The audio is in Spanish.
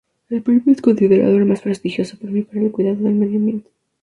El premio es considerado el más prestigioso premio para el cuidado del medio ambiente.